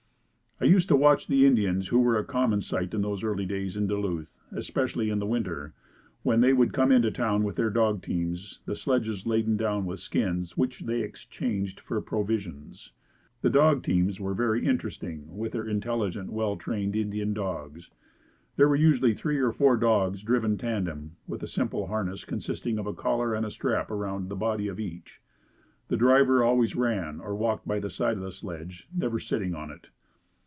I used to watch the Indians who were a common sight in those early days in Duluth, especially in the winter, when they would come into town with their dog teams, the sledges laden down with skins which they exchanged for provisions. The dog teams were very interesting with their intelligent well trained Indian dogs. There were usually three or four dogs driven tandem with a simple harness consisting of a collar and a strap around the body of each. The driver always ran or walked by the side of the sledge never sitting on it.